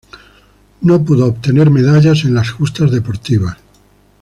No pudo obtener medallas en las justas deportivas.